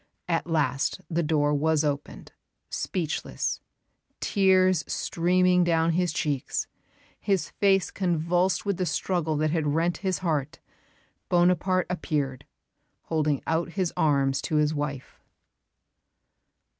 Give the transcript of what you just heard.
At last the door was opened; speechless, tears streaming down his cheeks, his face convulsed with the struggle that had rent his heart, Bonaparte appeared, holding out his arms to his wife."